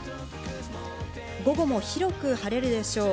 午後も広く晴れるでしょう。